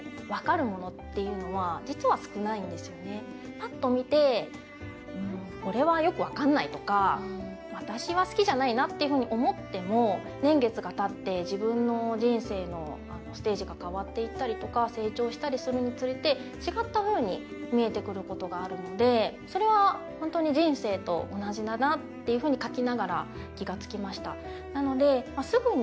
パッと見て、これはよく分かんないとか、私は好きじゃないなと思っても年月がたって、自分の人生のステージが変わっていったりとか成長したりするにつれて違ったふうに見えてくることがあるのでそれは本当に人生と同じだなと、書きながら気がつきました。